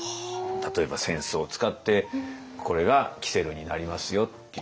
例えば扇子を使ってこれが煙管になりますよっていう。